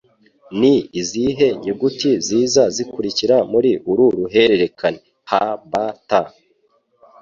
Ni izihe nyuguti ziza zikurikira muri uru ruhererekane H, B, T,?